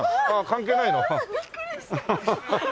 関係ないの？